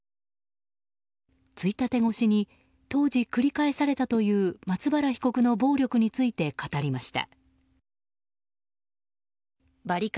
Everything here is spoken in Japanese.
ついたて越しに当時、繰り返されたという松原被告の暴力について語りました。